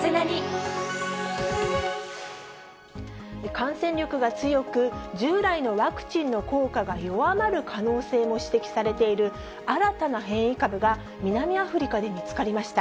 感染力が強く、従来のワクチンの効果が弱まる可能性も指摘されている新たな変異株が、南アフリカで見つかりました。